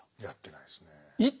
やってないですねぇ。